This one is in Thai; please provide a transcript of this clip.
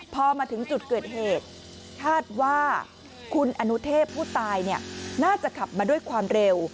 พอมาถึงจุดเกิดเหตุคาดว่าคุณอนุเทพผู้ตายน่าจะขับมาด้วยความเร็ว